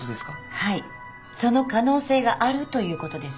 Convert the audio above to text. はいその可能性があるということです。